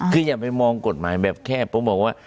คืออย่าไปมองกฎหมายแบบแคบผมบอกว่า